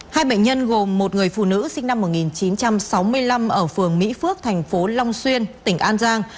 hai bệnh nhân gồm một người phụ nữ sinh năm một nghìn chín trăm sáu mươi năm ở phường mỹ phước thành phố long xuyên tỉnh an giang